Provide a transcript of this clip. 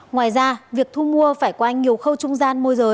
ngoài ra việc thu mua phải qua nhiều khóa